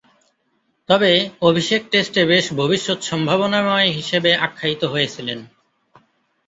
তবে, অভিষেক টেস্টে বেশ ভবিষ্যৎ সম্ভাবনাময় হিসেবে আখ্যায়িত হয়েছিলেন।